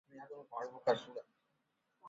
我对他很礼貌